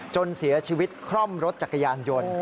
จนเสียชีวิตคร่อมรถจักรยานยนต์